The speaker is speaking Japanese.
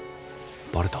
バレた？